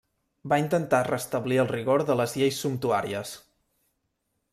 Va intentar restablir el rigor de les lleis sumptuàries.